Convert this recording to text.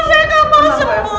saya gak mau sembuh